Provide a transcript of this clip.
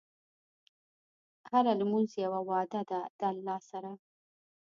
هره لمونځ یوه وعده ده د الله سره.